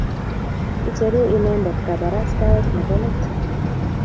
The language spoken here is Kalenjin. Icheru inendet kabarastaet nebo let